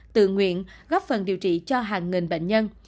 tự nguyện góp phần điều trị cho hàng nghìn bệnh nhân